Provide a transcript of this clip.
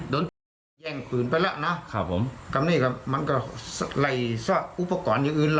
โดนจับแย่งปืนไปแล้วนะครับผมกับนี่ก็มันก็ไล่ซะอุปกรณ์อย่างอื่นล่ะ